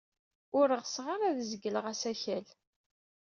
Ur ɣseɣ ara ad zegleɣ asakal.